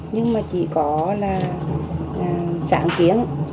nhưng mà chỉ có là sản kiến